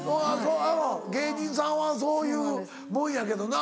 うん芸人さんはそういうもんやけどな。